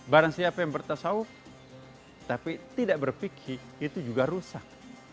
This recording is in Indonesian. barang siapa yang bertasau tapi tidak berpikir itu juga rusak